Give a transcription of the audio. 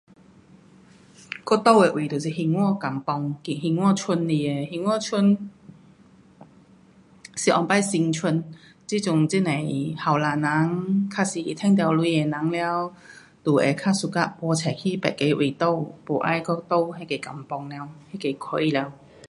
我住的位就是兴华 kampung 是兴华村来的，兴华村是以前新村，这阵很多年轻人较多赚到钱的人全就要较 suka 搬出去别的位住，没要再住那个 kampung 了，那个区了。